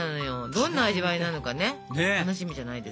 どんな味わいなのかね楽しみじゃないですか。